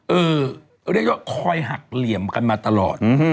เรียกได้ว่าคอยหักเหลี่ยมกันมาตลอด